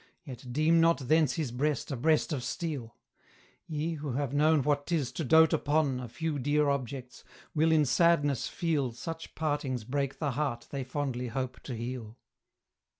Yet deem not thence his breast a breast of steel; Ye, who have known what 'tis to dote upon A few dear objects, will in sadness feel Such partings break the heart they fondly hope to heal.